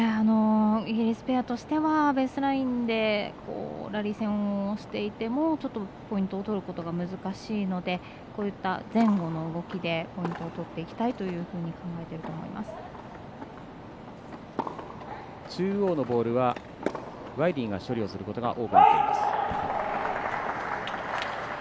イギリスペアとしてはベースラインでラリー戦をしていてもちょっとポイントを取ることが難しいので前後の動きでポイントを取っていきたいというふうに中央のボールはワイリーが処理をすることが多くなっています。